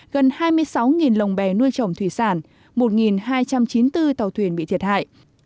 gần hai mươi sáu lồng bè nuôi trồng thủy sản một hai trăm chín mươi bốn tàu thuyền bị thiệt hại